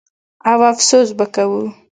او افسوس به کوو.